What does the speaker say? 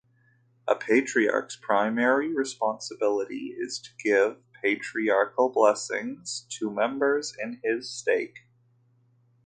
A patriarch's primary responsibility is to give patriarchal blessings to members in his stake.